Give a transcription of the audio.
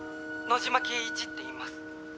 野嶋恵一っていいます。